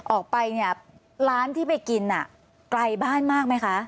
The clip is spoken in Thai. ออกไปร้านที่ไปกินไกลบ้านมากไหมคะ